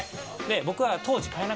僕は。